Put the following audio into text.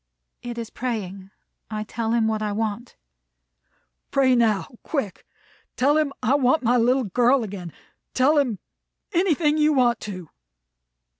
"It is praying. I tell Him what I want." "Pray now, quick. Tell him I want my little girl again. Tell him anything you want to."